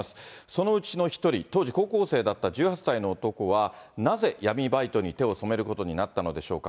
そのうちの１人、当時高校生だった１８歳の男は、なぜ闇バイトに手を染めることになったのでしょうか。